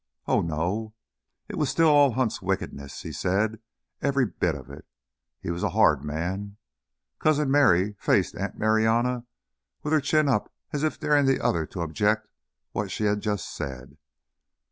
Oh, no it was still all Hunt's wickedness, he said, every bit of it! He was a hard man...." Cousin Merry faced Aunt Marianna with her chin up as if daring the other to object what she'd just said.